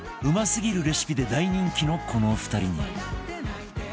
うますぎるレシピで大人気のこの２人に